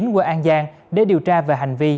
qua an giang để điều tra về hành vi